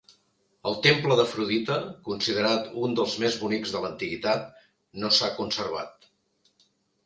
El temple d'Afrodita, considerat un dels més bonics de l'antiguitat, no s'ha conservat.